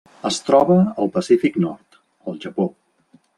Es troba al Pacífic nord: el Japó.